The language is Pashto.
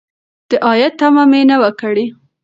د عاید تمه مې نه وه کړې.